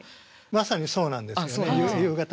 まさにそうなんですね夕方。